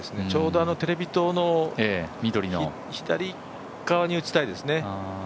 ちょうどテレビ塔の左側に打ちたいですね。